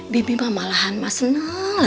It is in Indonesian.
bibi mah malahan seneng lah